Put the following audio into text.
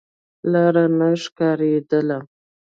لاره نه ښکارېدله.